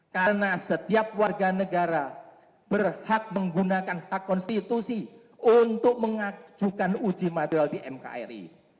karena setiap warga negara berhak menggunakan hak konstitusi untuk mengajukan uji material di mkri